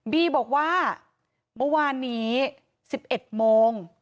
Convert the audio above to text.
บีบอกว่าเมื่อวานนี้๑๑โมง